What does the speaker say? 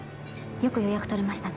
よく予約取れましたね。